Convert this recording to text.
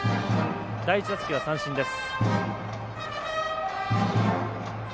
第１打席は三振です。